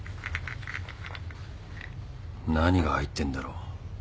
何が入ってんだろう。